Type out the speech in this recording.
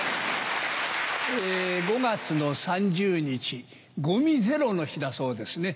５月３０日「ごみゼロの日」だそうですね。